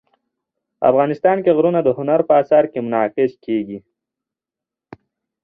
افغانستان کې غرونه د هنر په اثار کې منعکس کېږي.